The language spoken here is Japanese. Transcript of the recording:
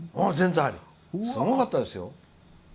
すごかったですよ。